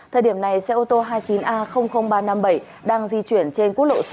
thời điểm này xe ô tô hai mươi chín a ba trăm năm mươi bảy đang di chuyển trên quốc lộ sáu